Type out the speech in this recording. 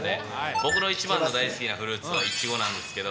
僕の一番の大好きなフルーツはイチゴなんですけど。